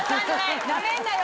なめんなよ